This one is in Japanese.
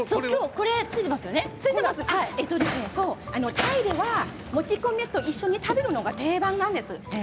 タイではもち米と一緒に食べるのが定番なんです。